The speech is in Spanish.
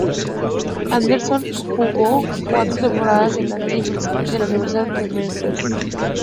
Anderson jugó cuatro temporadas en los "Tigers" de la Universidad de Memphis.